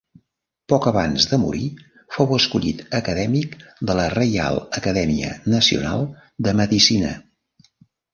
Poc abans de morir fou escollit acadèmic de la Reial Acadèmia Nacional de Medicina.